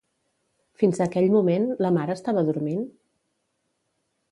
Fins a aquell moment, la mare estava dormint?